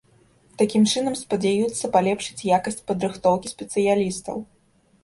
Такім чынам спадзяюцца палепшыць якасць падрыхтоўкі спецыялістаў.